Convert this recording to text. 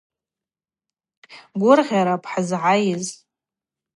Гвыргъьарапӏ хӏыззгӏайыз.